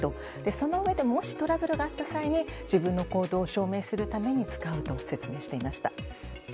そのうえでもしトラブルがあった際に自分の行動を証明するために使うと説明していました。